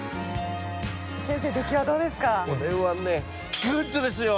先生出来はどうですか？